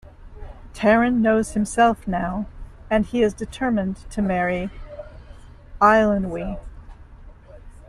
Taran knows himself now and he is determined to marry Eilonwy.